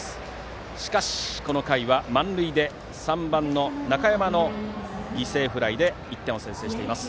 しかし、この回は満塁で３番の中山の犠牲フライで１点を先制しています。